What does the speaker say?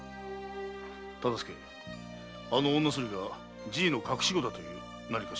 忠相あの女スリがじいの隠し子だという何か証拠は？